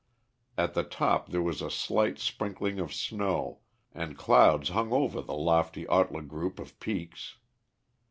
At the top there was a slight sprinkling of snow, and clouds hung over the lofty Ortler group of peaks.